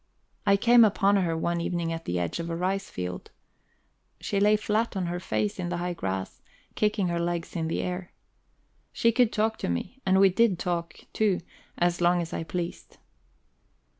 I came upon her one evening at the edge of a rice field. She lay flat on her face in the high grass, kicking her legs in the air. She could talk to me, and we did talk, too, as long as I pleased.